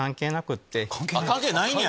関係ないんや！